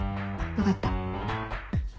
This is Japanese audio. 分かった。